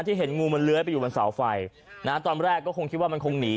เห็นงูมันเลื้อยไปอยู่บนเสาไฟนะตอนแรกก็คงคิดว่ามันคงหนี